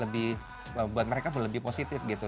lebih buat mereka lebih positif gitu